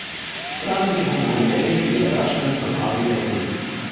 Karlen gewann einen Emmy für ihre Darstellung von Harvey Lacey.